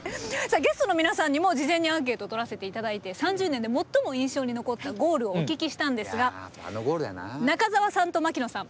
ゲストの皆さんにも事前にアンケートをとらせて頂いて３０年で最も印象に残ったゴールをお聞きしたんですが中澤さんと槙野さん